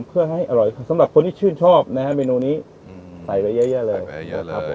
เพื่อให้อร่อยสำหรับคนที่ชื่นชอบนะฮะเมนูนี้ใส่ไปเยอะแยะเลย